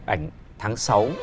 ảnh tháng sáu